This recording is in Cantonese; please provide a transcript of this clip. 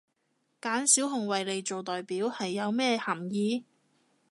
揀小熊維尼做代表係有咩含意？